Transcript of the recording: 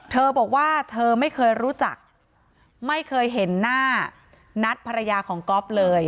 เธอบอกว่าเธอไม่เคยรู้จักไม่เคยเห็นหน้านัทภรรยาของก๊อฟเลย